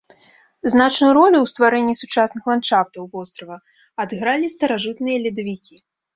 Значную ролю ў стварэнні сучасных ландшафтаў вострава адыгралі старажытныя ледавікі.